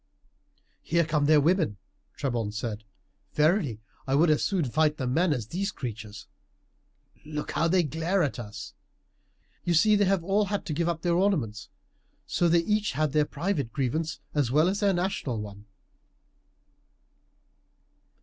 "Here come their women!" Trebon said; "verily I would as soon fight the men as these creatures. Look how they glare at us! You see they have all had to give up their ornaments, so they have each their private grievance as well as their national one."